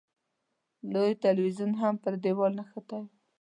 لوی تلویزیون هم پر دېوال نښتی و.